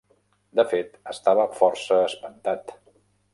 De fet estava força espantat